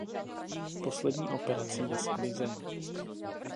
Poslední operací je sklizeň.